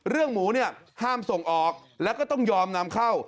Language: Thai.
หมูเนี่ยห้ามส่งออกแล้วก็ต้องยอมนำเข้า